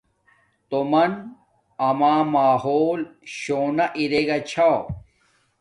تومن اما ماحول شونا ارے گا چھا